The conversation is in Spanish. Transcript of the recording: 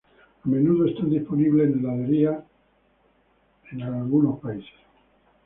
A menudo están disponibles en heladerías en Estados Unidos.